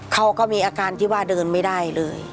เขาก็มีอาการที่ว่าเดินไม่ได้เลย